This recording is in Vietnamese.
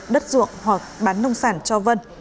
đất ruộng hoặc bán nông sản cho vân